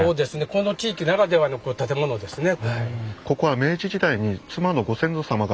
この地域ならではの建物ですね。